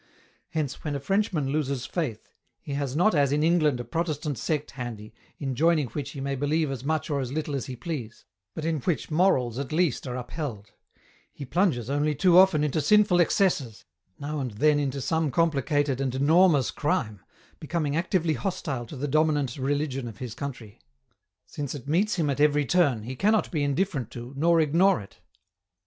Hence when a Frenchman loses Faith he has not as in England a Protestant sect handy, in joining which he may believe as much or as little as he please, but in which morals at least are upheld ; he plunges only too often into sinful excesses, now and then into some com plicated and enormous crime, becoming actively hostile to the dominant religion of his country ; since it meets him at every turn, he cannot be indifferent to, nor ignore it.